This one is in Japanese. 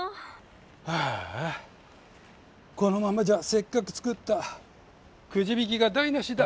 ああこのままじゃせっかく作ったクジ引きがだいなしだ！